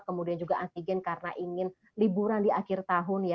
kemudian juga antigen karena ingin liburan di akhir tahun ya